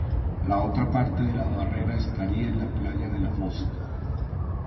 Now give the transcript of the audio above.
La otra parte de la barrera estaría en la Playa de la Fossa.